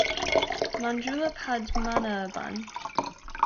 Manjula Padmanabhan.